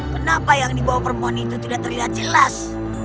kenapa yang dibawa perempuan itu tidak terlihat jelas